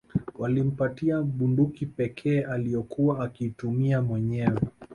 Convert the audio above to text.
Walimpatia bunduki pekee aliyokuwa akiitumia mwenyewe